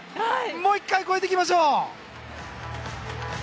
もう１回、超えていきましょう。